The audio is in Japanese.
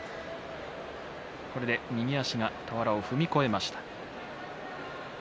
これで右足が俵を踏み越えました。